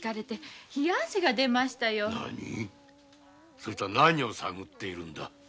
そいつは何を探っているんだ？